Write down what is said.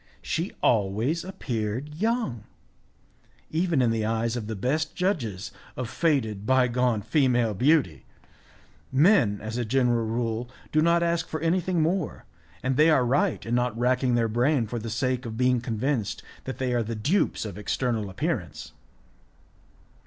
She always appeared young, even in the eyes of the best judges of faded, bygone female beauty. Men, as a general rule, do not ask for anything more, and they are right in not racking their brain for the sake of being convinced that they are the dupes of external appearance.